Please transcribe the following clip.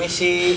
di sini prt